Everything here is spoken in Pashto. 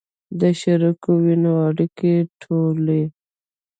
د شریکو وینو اړیکې ټولې